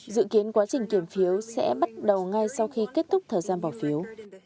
dự kiến quá trình kiểm phiếu sẽ bắt đầu ngay sau khi kết thúc thời gian bỏ phiếu